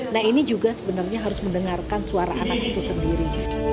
nah ini juga sebenarnya harus mendengarkan suara anak itu sendiri